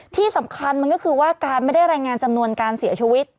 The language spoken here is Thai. ที่สำคัญมันก็คือว่าการไม่ได้รายงานจำนวนการเสียชีวิต